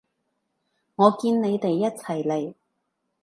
我見你哋一齊嚟